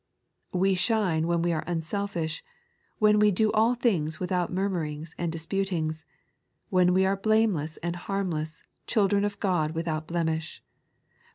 We shine when we are unselfish, when we " do all things without murmurings and dis putings "; when we are " blameless and harmless, children of Ood without blemish " (Phil.